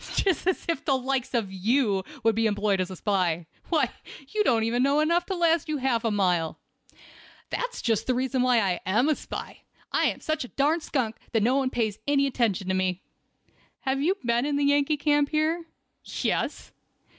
"Just as if the likes of you would be employed as a spy! Why, you don't know enough to last you half a mile." "That's just the reason why I am a spy. I am such a darn skunk no one pays any attention to me." "Have you been in the Yankee camp here?" "Yes."